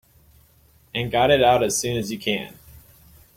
And got it out as soon as you can.